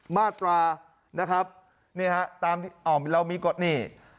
มาตรานะครับนี่ฮะตามที่เรามีกฎนี่